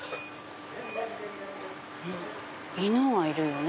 犬がいるよね。